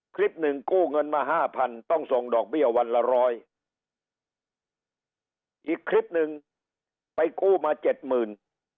คลิปหนึ่งกู้เงินมาห้าพันต้องส่งดอกเบี้ยวันละร้อยอีกคลิปหนึ่งไปกู้มาเจ็ดหมื่น